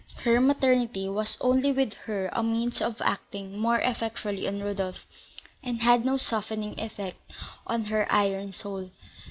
Her maternity was only with her a means of acting more effectually on Rodolph, and had no softening effect on her iron soul.